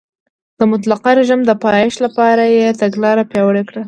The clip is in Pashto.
د مطلقه رژیم د پایښت لپاره یې تګلاره پیاوړې کړه.